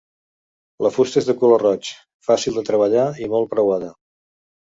La fusta és de color roig, fàcil de treballar i molt preuada.